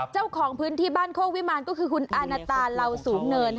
เจ้าของพื้นที่บ้านโคกวิมารก็คือคุณอาณาตาเหล่าสูงเนิน